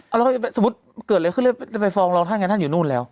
เอาแล้วสมมุติเกิดอะไรขึ้นเลยไปฟ้องเราท่านอยู่นู่นแล้ว